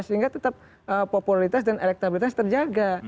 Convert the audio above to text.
sehingga tetap popularitas dan elektabilitas terjaga